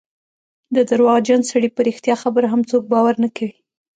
د درواغجن سړي په رښتیا خبره هم څوک باور نه کوي.